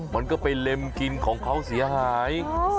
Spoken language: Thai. มันก็ไปเล็มกินของเขาเสียหาย